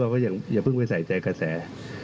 ว่าอย่าเพิ่งไปใส่ใจกระแส